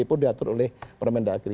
pun diatur oleh permendagri